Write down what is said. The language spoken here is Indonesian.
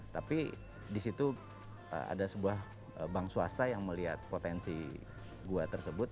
tapi disitu ada sebuah bank swasta yang melihat potensi gue tersebut